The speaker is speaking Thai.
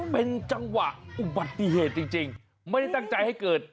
เป็นจังหวะอุบัติเหตุจริงไม่ได้ตั้งใจให้เกิด